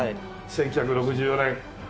１９６４年。